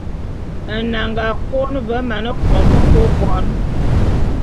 Nnanga kôn ve mane fombô nkôkon.